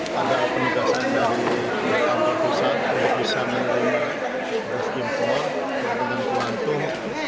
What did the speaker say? kita dari perubahan pekerjaan kubah ada penyiasan dari pembangunan pusat pembangunan pusat menerima beras import dan pembangunan kuantung